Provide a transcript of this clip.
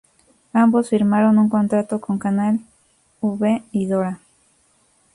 Ambos firmaron un contrato con Canal V y Dora.